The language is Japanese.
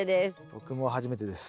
僕も初めてです。